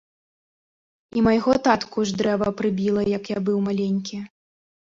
І майго татку ж дрэва прыбіла, як я быў маленькі.